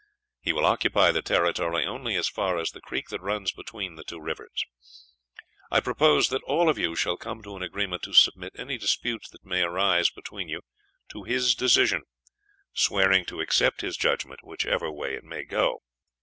He will occupy the territory only as far as the creek that runs between the two rivers. I propose that all of you shall come to an agreement to submit any disputes that may arise between you to his decision, swearing to accept his judgment, whichever way it may go.